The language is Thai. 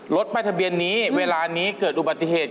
รถป้ายทะเบียนนี้เวลานี้เกิดอุบัติเหตุ